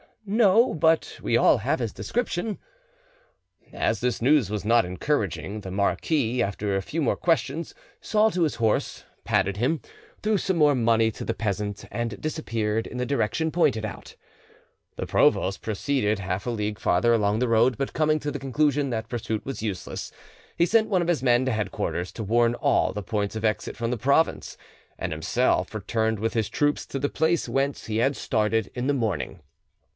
"No, but we all have his description." As this news was not encouraging, the marquis, after a few more questions, saw to his horse, patted him, threw some more money to the peasant, and disappeared in the direction pointed out. The provost proceeded half a league farther along the road; but coming to the conclusion that pursuit was useless, he sent one of his men to headquarters, to warn all the points of exit from the province, and himself returned with his troop to the place whence he had started in the morning.